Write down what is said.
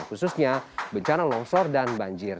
khususnya bencana longsor dan banjir